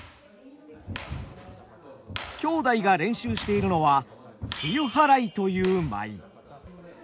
兄弟が練習しているのは「露払い」という舞。